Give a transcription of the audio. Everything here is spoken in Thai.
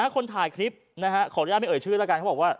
คนถ่ายคลิปขออนุญาตไม่เอ่ยชื่อแล้วกันเขาบอกว่า